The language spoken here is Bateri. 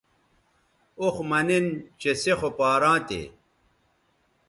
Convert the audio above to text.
اوخ مہ نِن چہ سے خو پاراں تھے